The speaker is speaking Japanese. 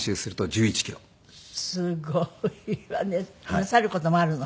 なさる事もあるの？